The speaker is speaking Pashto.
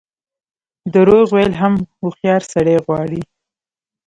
درواغ ویل هم هوښیار سړی غواړي.